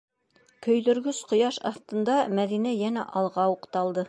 Көйҙөргөс ҡояш аҫтында Мәҙинә йәнә алға уҡталды.